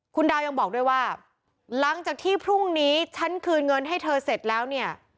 คุณดาวยังบอกด้วยว่าหลังจากที่พรุ่งนี้ฉันคืนเงินให้เธอเสร็จแล้วเนี่ย